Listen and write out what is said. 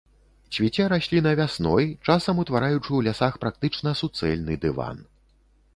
Цвіце расліна вясной, часам утвараючы ў лясах практычна суцэльны дыван.